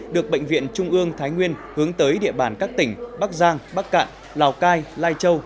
được bệnh viện trung ương thái nguyên hướng tới địa bàn các tỉnh bắc giang bắc cạn lào cai lai châu